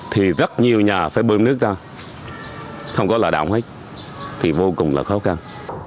thì rất nhiều nhà phải bơm nước ra không có lợi động hết thì vô cùng là khó khăn